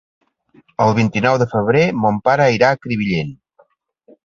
El vint-i-nou de febrer mon pare irà a Crevillent.